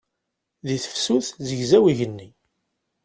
Deg tefsut zegzaw yigenni.